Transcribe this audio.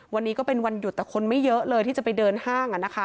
วันนี้ก็เป็นวันหยุดแต่คนไม่เยอะเลยที่จะไปเดินห้าง